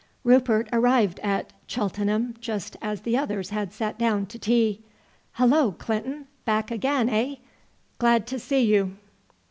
Rupert arrived at Cheltenham just as the others had sat down to tea. "Hullo, Clinton! Back again, eh? Glad to see you."